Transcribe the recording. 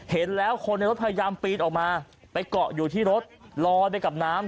เห็นแล้วคนในรถพยายามปีนออกมาไปเกาะอยู่ที่รถลอยไปกับน้ำ